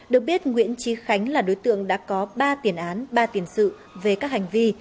được biết nguyễn trí khánh là đối tượng đã có ba tiền án ba tiền sự về các hành vi